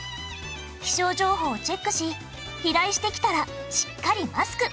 気象情報をチェックし飛来してきたらしっかりマスク。